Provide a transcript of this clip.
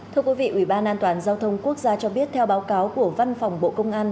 thưa quý vị ủy ban an toàn giao thông quốc gia cho biết theo báo cáo của văn phòng bộ công an